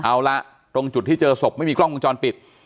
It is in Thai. เอาละตรงจุดที่เจอศพไม่มีกล้องวงจรปิด